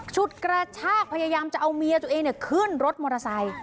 ฉุดกระชากพยายามจะเอาเมียตัวเองขึ้นรถมอเตอร์ไซค์